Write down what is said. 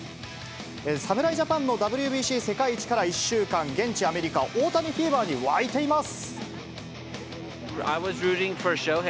侍ジャパンのＷＢＣ世界一から１週間、現地アメリカ、大谷フィーバーに沸いています。